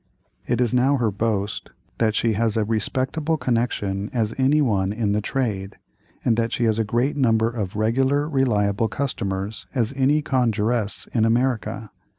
It is now her boast that she has as "respectable a connexion" as any one in the trade, and that she has as great a number of "regular, reliable customers," as any conjuress in America.